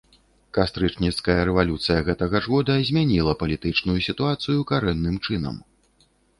Кастрычніцкая рэвалюцыя гэтага ж года змяніла палітычную сітуацыю карэнным чынам.